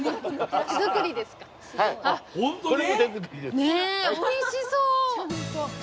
ねおいしそう！